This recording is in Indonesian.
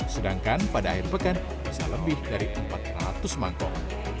sedangkan pada akhir pekan bisa lebih dari empat ratus mangkok